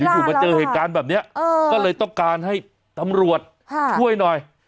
อยู่มาเจอเหตุการณ์แบบนี้ก็เลยต้องการให้ตำรวจช่วยหน่อย